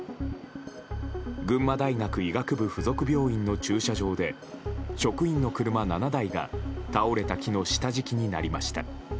群馬大学附属病院の駐車場で職員の車７台が倒れた木の下敷きになりました。